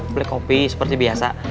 boleh kopi seperti biasa